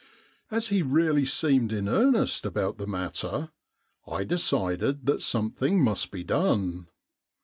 As he really seemed in earnest about the matter, I decided that something must be done.